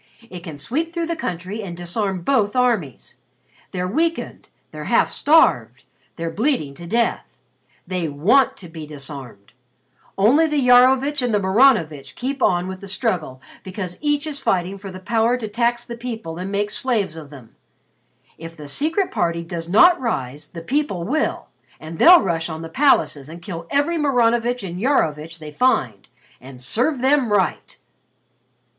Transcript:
It can sweep through the country and disarm both armies. They're weakened they're half starved they're bleeding to death; they want to be disarmed. Only the Iarovitch and the Maranovitch keep on with the struggle because each is fighting for the power to tax the people and make slaves of them. If the Secret Party does not rise, the people will, and they'll rush on the palaces and kill every Maranovitch and Iarovitch they find. And serve them right!"